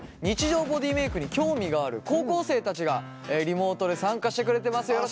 日常ボディーメイクに興味がある高校生たちがリモートで参加してくれてます